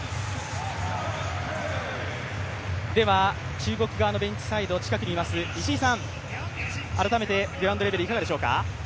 中国側のベンチサイド、近くにいます石井さん、改めてグラウンドレベル、いかがでしょうか？